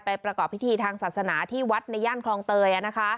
ประกอบพิธีทางศาสนาที่วัดในย่านคลองเตย